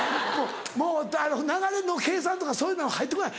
もう流れの計算とかそういうのは入って来ない。